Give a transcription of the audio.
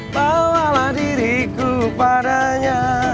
bawalah diriku padanya